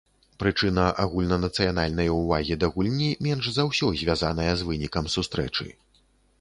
Прычына агульнанацыянальнай увагі да гульні менш за ўсё звязаная з вынікам сустрэчы.